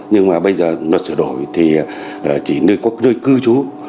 nhưng mà bây giờ luật sửa đổi thì chỉ nơi cư chú